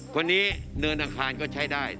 คนนี้เนินอังคารก็ใช้ได้